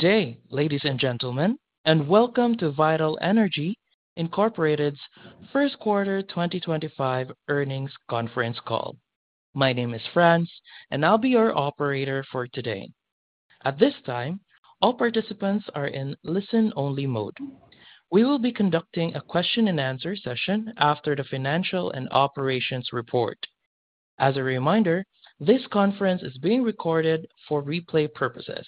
Today, ladies and gentlemen, and welcome to Vital Energy Incorporated's first quarter 2025 earnings conference call. My name is France, and I'll be your operator for today. At this time, all participants are in listen-only mode. We will be conducting a question-and-answer session after the financial and operations report. As a reminder, this conference is being recorded for replay purposes.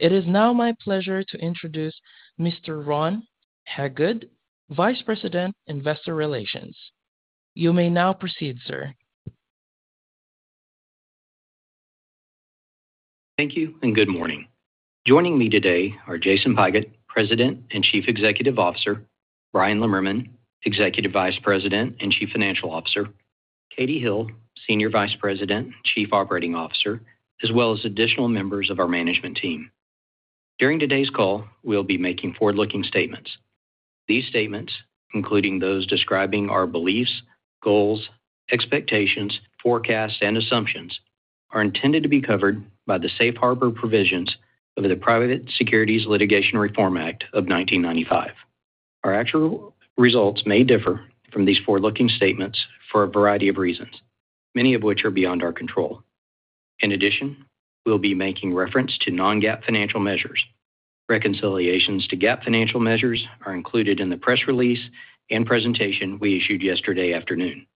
It is now my pleasure to introduce Mr. Ron Hagood, Vice President, Investor Relations. You may now proceed, sir. Thank you, and good morning. Joining me today are Jason Pigott, President and Chief Executive Officer; Bryan Lemmerman, Executive Vice President and Chief Financial Officer; Katie Hill, Senior Vice President, Chief Operating Officer, as well as additional members of our management team. During today's call, we'll be making forward-looking statements. These statements, including those describing our beliefs, goals, expectations, forecasts, and assumptions, are intended to be covered by the safe harbor provisions of the Private Securities Litigation Reform Act of 1995. Our actual results may differ from these forward-looking statements for a variety of reasons, many of which are beyond our control. In addition, we'll be making reference to non-GAAP financial measures. Reconciliations to GAAP financial measures are included in the press release and presentation we issued yesterday afternoon.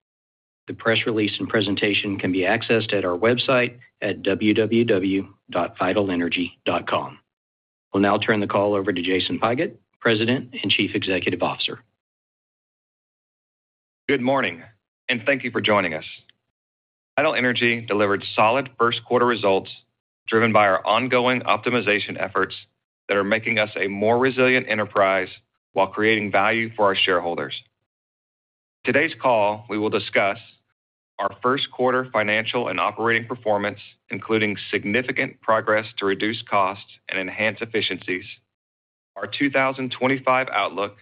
The press release and presentation can be accessed at our website at www.vitalenergy.com. We'll now turn the call over to Jason Pigott, President and Chief Executive Officer. Good morning, and thank you for joining us. Vital Energy delivered solid first quarter results driven by our ongoing optimization efforts that are making us a more resilient enterprise while creating value for our shareholders. In today's call, we will discuss our first quarter financial and operating performance, including significant progress to reduce costs and enhance efficiencies, our 2025 outlook,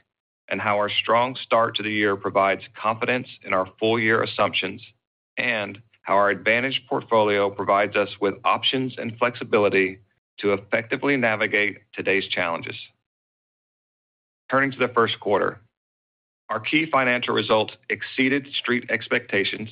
and how our strong start to the year provides confidence in our full-year assumptions, and how our advantage portfolio provides us with options and flexibility to effectively navigate today's challenges. Turning to the first quarter, our key financial result exceeded street expectations.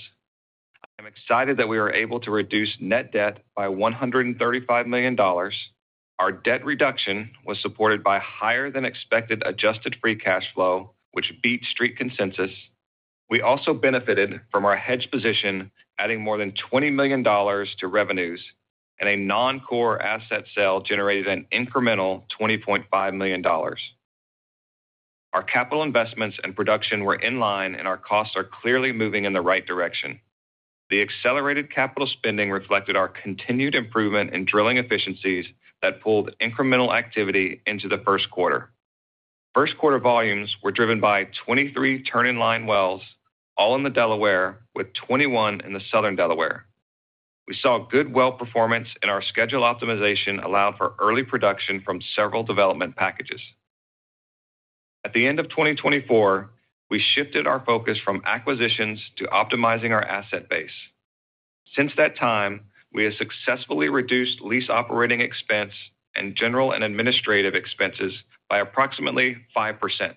I am excited that we were able to reduce net debt by $135 million. Our debt reduction was supported by higher-than-expected adjusted free cash flow, which beat street consensus. We also benefited from our hedge position, adding more than $20 million to revenues, and a non-core asset sale generated an incremental $20.5 million. Our capital investments and production were in line, and our costs are clearly moving in the right direction. The accelerated capital spending reflected our continued improvement in drilling efficiencies that pulled incremental activity into the first quarter. First quarter volumes were driven by 23 turn-in-line wells, all in the Delaware, with 21 in the southern Delaware. We saw good well performance, and our schedule optimization allowed for early production from several development packages. At the end of 2024, we shifted our focus from acquisitions to optimizing our asset base. Since that time, we have successfully reduced lease operating expense and general and administrative expenses by approximately 5%.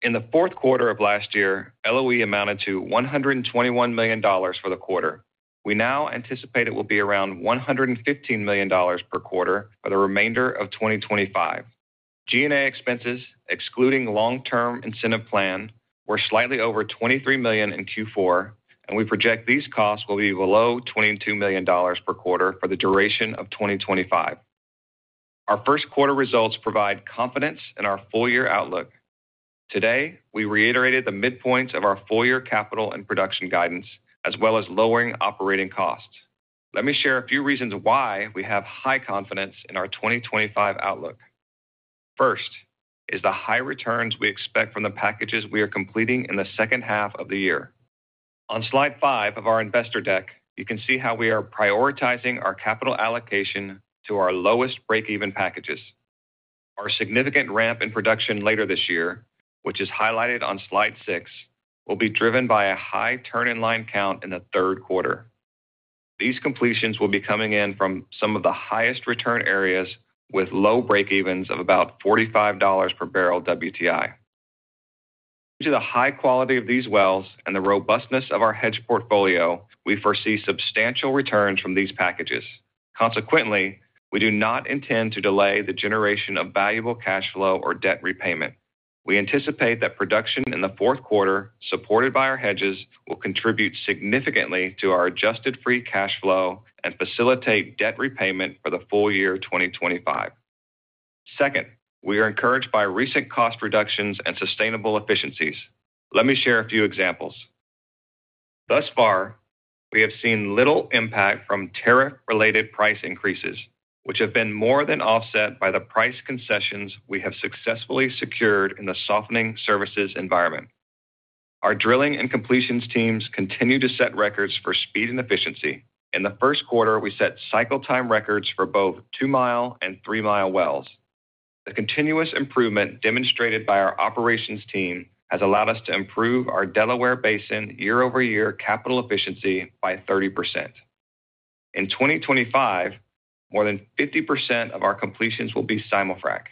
In the fourth quarter of last year, LOE amounted to $121 million for the quarter. We now anticipate it will be around $115 million per quarter for the remainder of 2025. G&A expenses, excluding long-term incentive plan, were slightly over $23 million in Q4, and we project these costs will be below $22 million per quarter for the duration of 2025. Our first quarter results provide confidence in our full-year outlook. Today, we reiterated the midpoint of our full-year capital and production guidance, as well as lowering operating costs. Let me share a few reasons why we have high confidence in our 2025 outlook. First is the high returns we expect from the packages we are completing in the second half of the year. On slide five of our investor deck, you can see how we are prioritizing our capital allocation to our lowest break-even packages. Our significant ramp in production later this year, which is highlighted on slide six, will be driven by a high turn-in-line count in the third quarter. These completions will be coming in from some of the highest return areas with low break-evens of about $45 per barrel WTI. Due to the high quality of these wells and the robustness of our hedge portfolio, we foresee substantial returns from these packages. Consequently, we do not intend to delay the generation of valuable cash flow or debt repayment. We anticipate that production in the fourth quarter, supported by our hedges, will contribute significantly to our adjusted free cash flow and facilitate debt repayment for the full year 2025. Second, we are encouraged by recent cost reductions and sustainable efficiencies. Let me share a few examples. Thus far, we have seen little impact from tariff-related price increases, which have been more than offset by the price concessions we have successfully secured in the softening services environment. Our drilling and completions teams continue to set records for speed and efficiency. In the first quarter, we set cycle time records for both two-mile and three-mile wells. The continuous improvement demonstrated by our operations team has allowed us to improve our Delaware Basin year-over-year capital efficiency by 30%. In 2025, more than 50% of our completions will be simul-frac.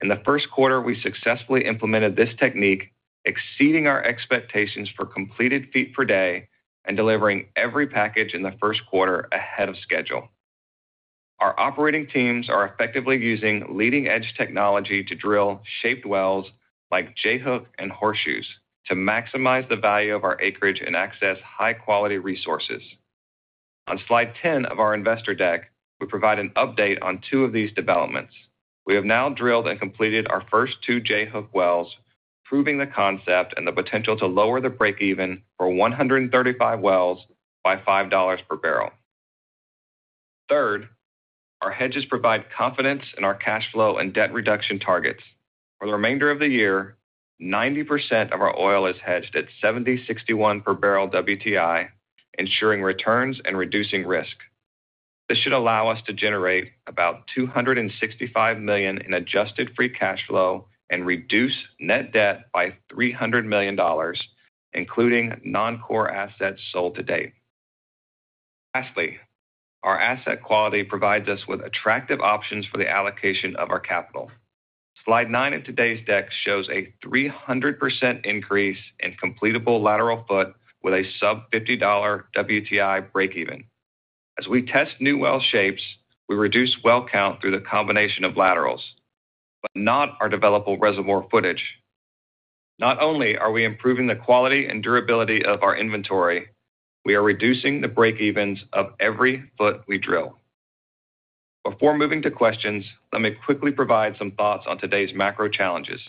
In the first quarter, we successfully implemented this technique, exceeding our expectations for completed feet per day and delivering every package in the first quarter ahead of schedule. Our operating teams are effectively using leading-edge technology to drill shaped wells like J-Hook and horseshoes to maximize the value of our acreage and access high-quality resources. On slide 10 of our investor deck, we provide an update on two of these developments. We have now drilled and completed our first two J-hook wells, proving the concept and the potential to lower the break-even for 135 wells by $5 per barrel. Third, our hedges provide confidence in our cash flow and debt reduction targets. For the remainder of the year, 90% of our oil is hedged at $70.61 per barrel WTI, ensuring returns and reducing risk. This should allow us to generate about $265 million in adjusted free cash flow and reduce net debt by $300 million, including non-core assets sold to date. Lastly, our asset quality provides us with attractive options for the allocation of our capital. Slide nine of today's deck shows a 300% increase in completable lateral foot with a sub-$50 WTI break-even. As we test new well shapes, we reduce well count through the combination of laterals, but not our developable reservoir footage. Not only are we improving the quality and durability of our inventory, we are reducing the break-evens of every foot we drill. Before moving to questions, let me quickly provide some thoughts on today's macro challenges.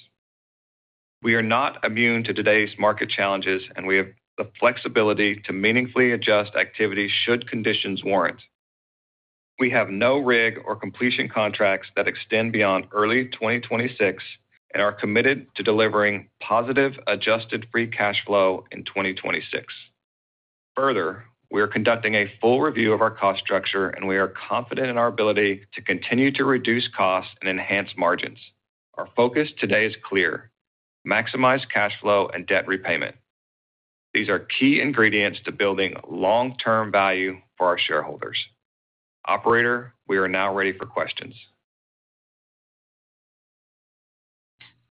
We are not immune to today's market challenges, and we have the flexibility to meaningfully adjust activity should conditions warrant. We have no rig or completion contracts that extend beyond early 2026 and are committed to delivering positive adjusted free cash flow in 2026. Further, we are conducting a full review of our cost structure, and we are confident in our ability to continue to reduce costs and enhance margins. Our focus today is clear: maximize cash flow and debt repayment. These are key ingredients to building long-term value for our shareholders. Operator, we are now ready for questions.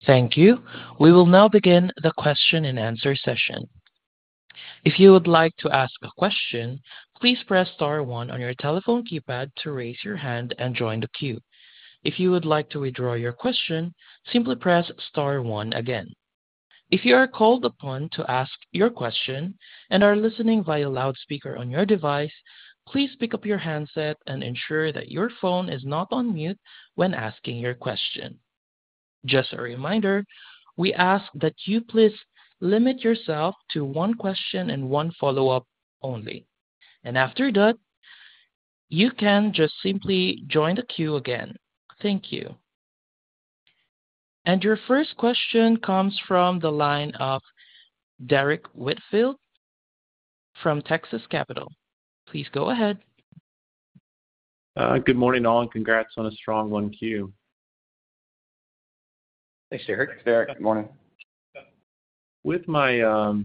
Thank you. We will now begin the question-and-answer session. If you would like to ask a question, please press star one on your telephone keypad to raise your hand and join the queue. If you would like to withdraw your question, simply press star one again. If you are called upon to ask your question and are listening via loudspeaker on your device, please pick up your handset and ensure that your phone is not on mute when asking your question. Just a reminder, we ask that you please limit yourself to one question and one follow-up only. After that, you can just simply join the queue again. Thank you. Your first question comes from the line of Derrick Whitfield from Texas Capital. Please go ahead. Good morning, all, and congrats on a strong one Q. Thanks, Derrick. Thanks, Derrick. Good morning. With my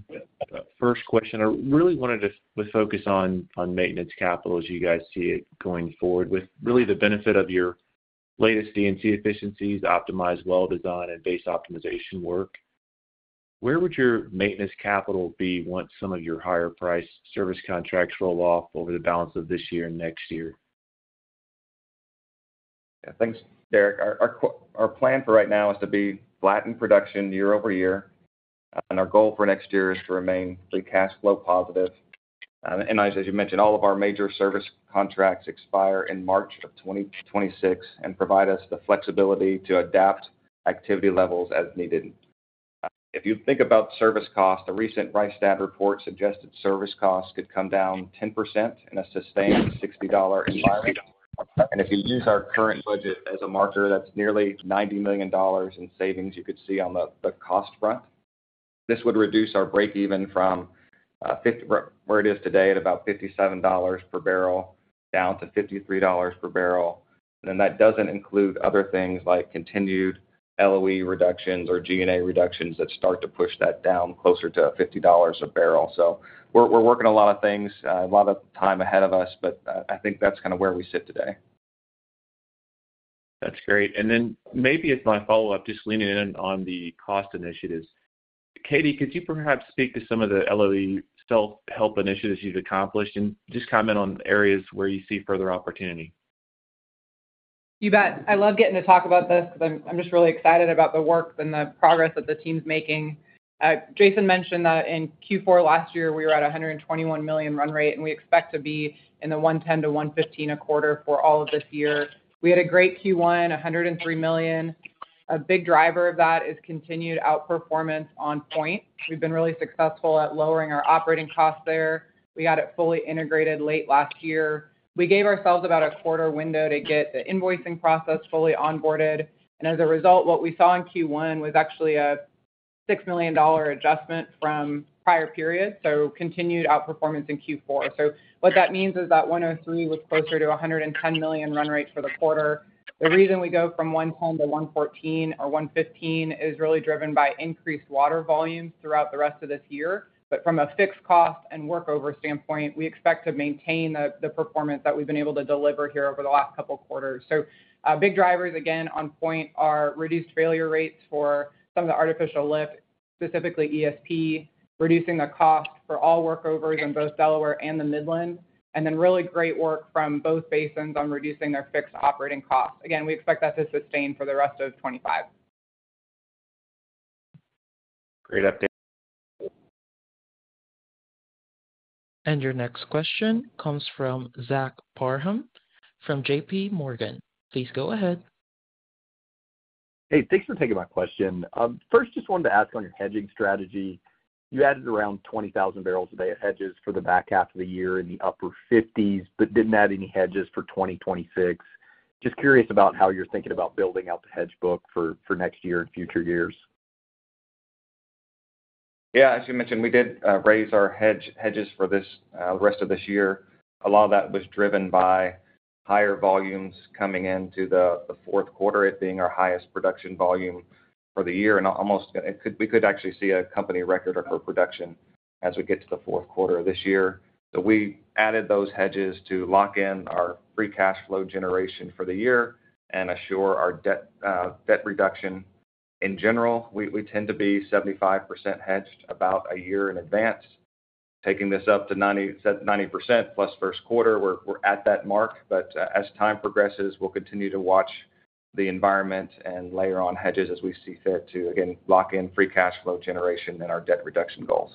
first question, I really wanted to focus on maintenance capital as you guys see it going forward with really the benefit of your latest D&C efficiencies, optimized well design, and base optimization work. Where would your maintenance capital be once some of your higher-priced service contracts roll off over the balance of this year and next year? Yeah, thanks, Derrick. Our plan for right now is to be flat in production year-over-year, and our goal for next year is to remain free cash flow positive. As you mentioned, all of our major service contracts expire in March of 2026 and provide us the flexibility to adapt activity levels as needed. If you think about service costs, a recent Rystad report suggested service costs could come down 10% in a sustained $60 environment. If you use our current budget as a marker, that's nearly $90 million in savings you could see on the cost front. This would reduce our break-even from where it is today at about $57 per barrel down to $53 per barrel. That does not include other things like continued LOE reductions or G&A reductions that start to push that down closer to $50 a barrel. We're working a lot of things, a lot of time ahead of us, but I think that's kind of where we sit today. That's great. Maybe as my follow-up, just leaning in on the cost initiatives, Katie, could you perhaps speak to some of the LOE self-help initiatives you've accomplished and just comment on areas where you see further opportunity? You bet. I love getting to talk about this because I'm just really excited about the work and the progress that the team's making. Jason mentioned that in Q4 last year, we were at a $121 million run rate, and we expect to be in the $110 million-$115 million a quarter for all of this year. We had a great Q1, $103 million. A big driver of that is continued outperformance on point. We've been really successful at lowering our operating costs there. We got it fully integrated late last year. We gave ourselves about a quarter window to get the invoicing process fully onboarded. As a result, what we saw in Q1 was actually a $6 million adjustment from prior period, so continued outperformance in Q4. What that means is that $103 million was closer to a $110 million run rate for the quarter. The reason we go from $110 million to $114 million or $115 million is really driven by increased water volumes throughout the rest of this year. From a fixed cost and workover standpoint, we expect to maintain the performance that we've been able to deliver here over the last couple of quarters. Big drivers, again, on point are reduced failure rates for some of the artificial lift, specifically ESP, reducing the cost for all workovers in both Delaware and the Midland, and then really great work from both basins on reducing their fixed operating costs. Again, we expect that to sustain for the rest of 2025. Great update. Your next question comes from Zach Parham from JP Morgan. Please go ahead. Hey, thanks for taking my question. First, just wanted to ask on your hedging strategy. You added around 20,000 barrels a day of hedges for the back half of the year in the upper 50s but did not add any hedges for 2026. Just curious about how you are thinking about building out the hedge book for next year and future years. Yeah, as you mentioned, we did raise our hedges for the rest of this year. A lot of that was driven by higher volumes coming into the fourth quarter, it being our highest production volume for the year. We could actually see a company record of production as we get to the fourth quarter of this year. We added those hedges to lock in our free cash flow generation for the year and assure our debt reduction. In general, we tend to be 75% hedged about a year in advance. Taking this up to 90%+ first quarter, we're at that mark. As time progresses, we'll continue to watch the environment and layer on hedges as we see fit to, again, lock in free cash flow generation and our debt reduction goals.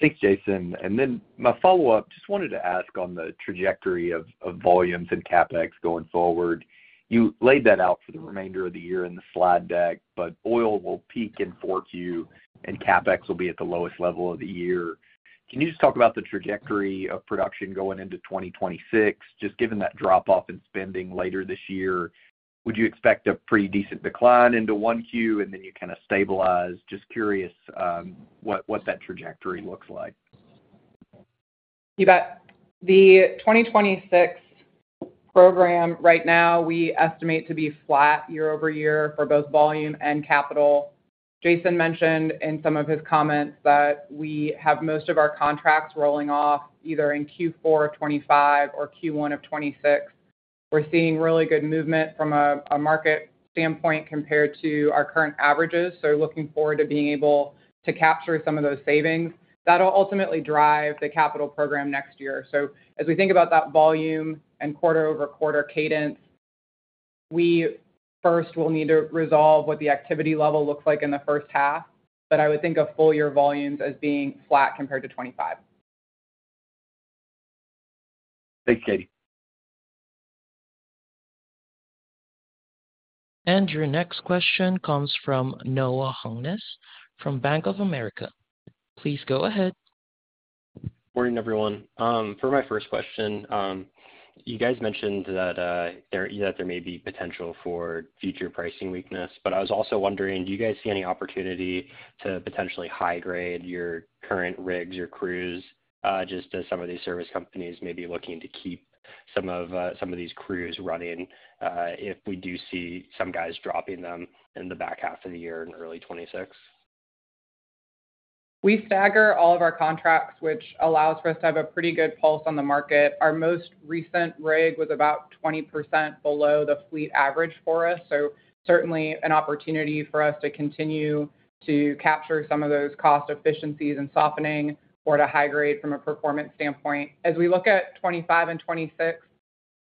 Thanks, Jason. Then my follow-up, just wanted to ask on the trajectory of volumes and CapEx going forward. You laid that out for the remainder of the year in the slide deck, but oil will peak in Q4 and CapEx will be at the lowest level of the year. Can you just talk about the trajectory of production going into 2026, just given that drop-off in spending later this year? Would you expect a pretty decent decline into Q1 and then you kind of stabilize? Just curious what that trajectory looks like. You bet. The 2026 program right now, we estimate to be flat year-over-year for both volume and capital. Jason mentioned in some of his comments that we have most of our contracts rolling off either in Q4 of 2025 or Q1 of 2026. We're seeing really good movement from a market standpoint compared to our current averages. Looking forward to being able to capture some of those savings. That'll ultimately drive the capital program next year. As we think about that volume and quarter-over-quarter cadence, we first will need to resolve what the activity level looks like in the first half, but I would think of full year volumes as being flat compared to 2025. Thanks, Katie. Your next question comes from Noah Hungness from Bank of America. Please go ahead. Morning, everyone. For my first question, you guys mentioned that there may be potential for future pricing weakness, but I was also wondering, do you guys see any opportunity to potentially high-grade your current rigs, your crews, just as some of these service companies may be looking to keep some of these crews running if we do see some guys dropping them in the back half of the year in early 2026? We stagger all of our contracts, which allows for us to have a pretty good pulse on the market. Our most recent rig was about 20% below the fleet average for us, so certainly an opportunity for us to continue to capture some of those cost efficiencies and softening or to high-grade from a performance standpoint. As we look at 2025 and 2026,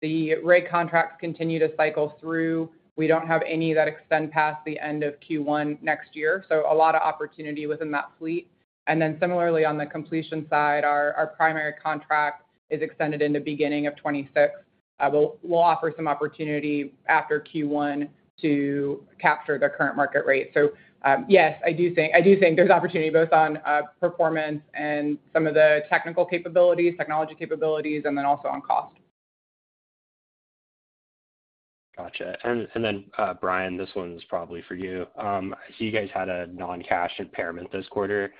the rig contracts continue to cycle through. We do not have any that extend past the end of Q1 next year, so a lot of opportunity within that fleet. Similarly, on the completion side, our primary contract is extended into the beginning of 2026. We will offer some opportunity after Q1 to capture the current market rate. Yes, I do think there is opportunity both on performance and some of the technical capabilities, technology capabilities, and then also on cost. Gotcha. Bryan, this one's probably for you. You guys had a non-cash impairment this quarter.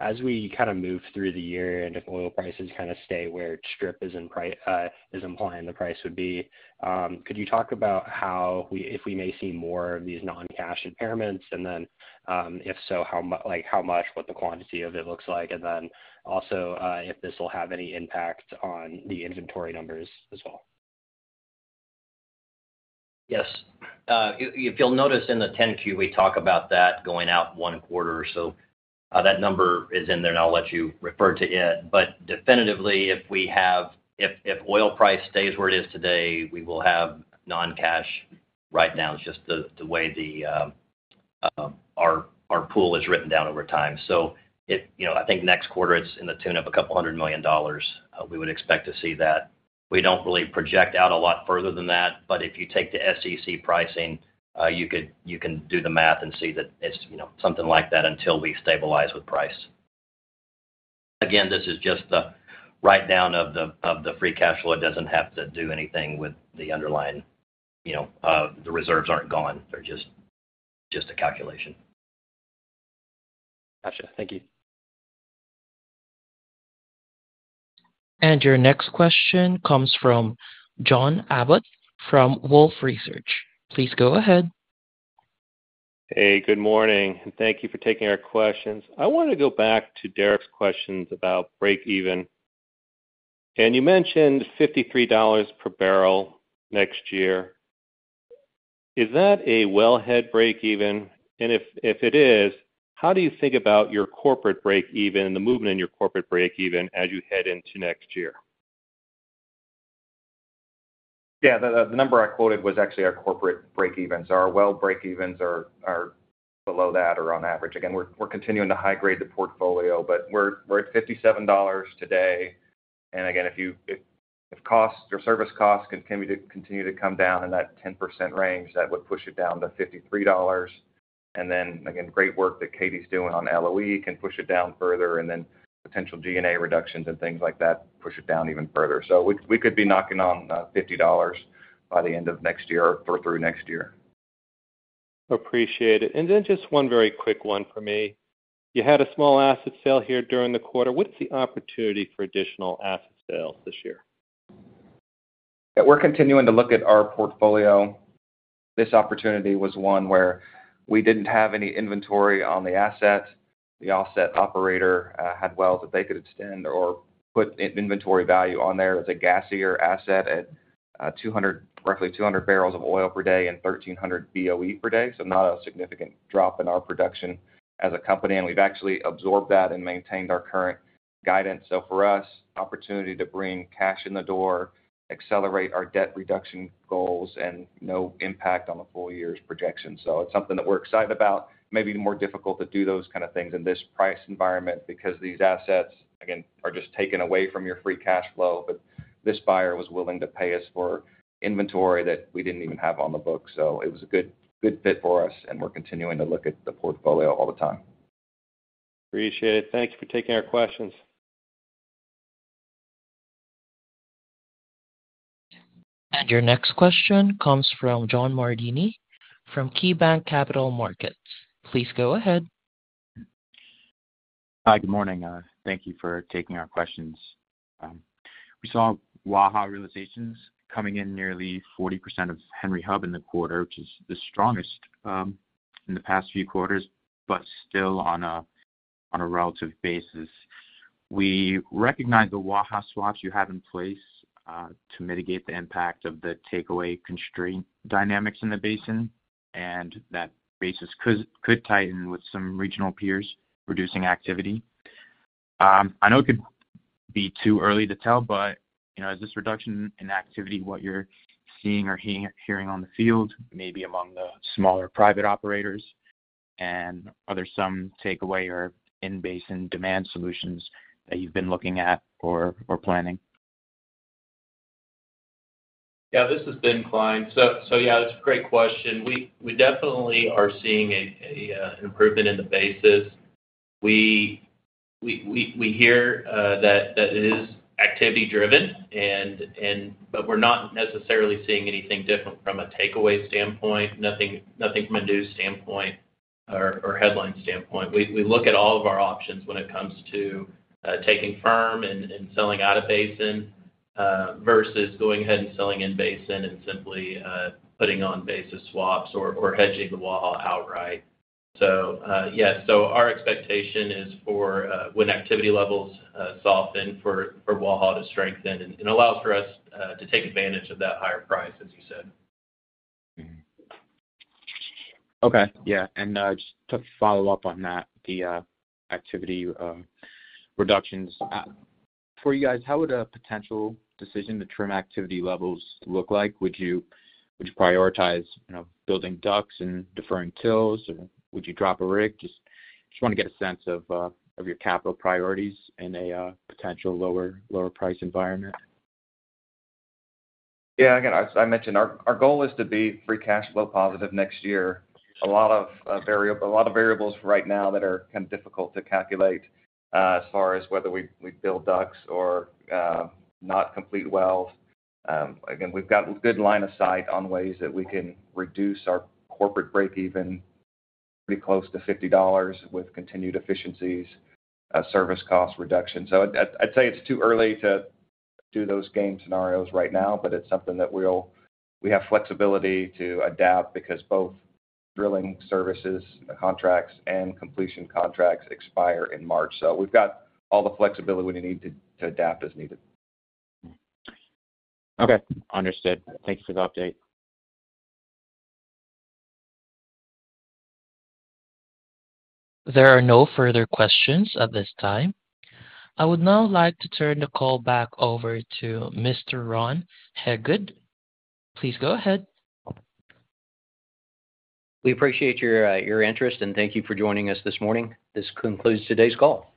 As we kind of move through the year and if oil prices kind of stay where Strip is implying the price would be, could you talk about how if we may see more of these non-cash impairments, and then if so, how much, what the quantity of it looks like, and then also if this will have any impact on the inventory numbers as well? Yes. If you'll notice in the 10Q, we talk about that going out one quarter. That number is in there, and I'll let you refer to it. Definitively, if oil price stays where it is today, we will have non-cash write-down, just the way our pool is written down over time. I think next quarter, it's in the tune of a couple hundred million dollars. We would expect to see that. We do not really project out a lot further than that, but if you take the SEC pricing, you can do the math and see that it's something like that until we stabilize with price. Again, this is just the write-down of the free cash flow. It does not have to do anything with the underlying reserves, which are not gone. They're just a calculation. Gotcha. Thank you. Your next question comes from John Abbott from Wolfe Research. Please go ahead. Hey, good morning. Thank you for taking our questions. I wanted to go back to Derrick's questions about break-even. You mentioned $53 per barrel next year. Is that a wellhead break-even? If it is, how do you think about your corporate break-even and the movement in your corporate break-even as you head into next year? Yeah, the number I quoted was actually our corporate break-evens. Our well break-evens are below that or on average. Again, we're continuing to high-grade the portfolio, but we're at $57 today. Again, if costs or service costs continue to come down in that 10% range, that would push it down to $53. Great work that Katie's doing on LOE can push it down further, and then potential G&A reductions and things like that push it down even further. We could be knocking on $50 by the end of next year or through next year. Appreciate it. And then just one very quick one for me. You had a small asset sale here during the quarter. What is the opportunity for additional asset sales this year? Yeah, we're continuing to look at our portfolio. This opportunity was one where we didn't have any inventory on the asset. The offset operator had wells that they could extend or put inventory value on there. It's a gassier asset at roughly 200 barrels of oil per day and 1,300 BOE per day. Not a significant drop in our production as a company. We've actually absorbed that and maintained our current guidance. For us, opportunity to bring cash in the door, accelerate our debt reduction goals, and no impact on the full year's projection. It's something that we're excited about. Maybe more difficult to do those kind of things in this price environment because these assets, again, are just taken away from your free cash flow, but this buyer was willing to pay us for inventory that we didn't even have on the book. It was a good fit for us, and we're continuing to look at the portfolio all the time. Appreciate it. Thank you for taking our questions. Your next question comes from Jonathan Mardini from KeyBanc Capital Markets. Please go ahead. Hi, good morning. Thank you for taking our questions. We saw Waha realizations coming in nearly 40% of Henry Hub in the quarter, which is the strongest in the past few quarters, but still on a relative basis. We recognize the Waha swaps you have in place to mitigate the impact of the takeaway constraint dynamics in the basin, and that basis could tighten with some regional peers reducing activity. I know it could be too early to tell, but is this reduction in activity what you're seeing or hearing on the field, maybe among the smaller private operators? Are there some takeaway or in-basin demand solutions that you've been looking at or planning? Yeah, this is Ben Klein. Yeah, that's a great question. We definitely are seeing an improvement in the basis. We hear that it is activity-driven, but we're not necessarily seeing anything different from a takeaway standpoint, nothing from a news standpoint or headline standpoint. We look at all of our options when it comes to taking firm and selling out of basin versus going ahead and selling in basin and simply putting on basis swaps or hedging the Waha outright. Yeah, our expectation is for when activity levels soften for Waha to strengthen, it allows for us to take advantage of that higher price, as you said. Okay. Yeah. Just to follow up on that, the activity reductions. For you guys, how would a potential decision to trim activity levels look like? Would you prioritize building ducks and deferring tills, or would you drop a rig? Just want to get a sense of your capital priorities in a potential lower price environment. Yeah. Again, I mentioned our goal is to be free cash flow positive next year. A lot of variables right now that are kind of difficult to calculate as far as whether we build ducks or not complete wells. Again, we've got a good line of sight on ways that we can reduce our corporate break-even pretty close to $50 with continued efficiencies, service cost reduction. I'd say it's too early to do those game scenarios right now, but it's something that we have flexibility to adapt because both drilling services contracts and completion contracts expire in March. We've got all the flexibility we need to adapt as needed. Okay. Understood. Thank you for the update. There are no further questions at this time. I would now like to turn the call back over to Mr. Ron Hagood. Please go ahead. We appreciate your interest, and thank you for joining us this morning. This concludes today's call.